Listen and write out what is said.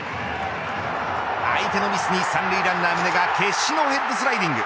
相手のミスに３塁ランナー宗が決死のヘッドスライディング。